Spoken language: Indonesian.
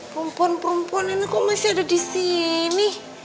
perempuan perempuan ini kok masih ada di sini